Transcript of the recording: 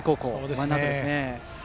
ワンアウトですね。